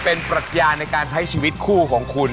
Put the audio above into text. เป็นปรัชญาในการใช้ชีวิตคู่ของคุณ